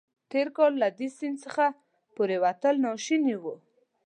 تېر کال له دې سیند څخه پورېوتل ناشوني وو.